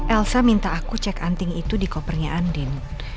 elsa minta aku cek anting itu di kopernya andin